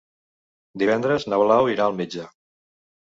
Divendres na Blau irà al metge.